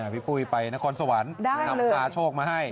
พี่ปุ้ยไปนครสวรรค์นำพาโชคมาให้